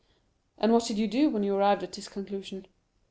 "And what did you do when you arrived at this conclusion?"